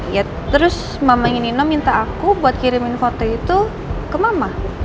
ya terus mamanya nino minta aku buat kirim foto itu ke mama